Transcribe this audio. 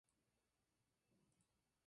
Está por ello decidido a investigarlo.